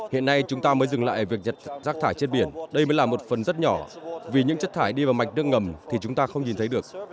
hiện nay chúng ta mới dừng lại việc nhặt rác thải trên biển đây mới là một phần rất nhỏ vì những chất thải đi vào mạch nước ngầm thì chúng ta không nhìn thấy được